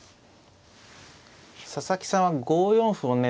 佐々木さんは５四歩をね